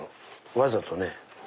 わざとね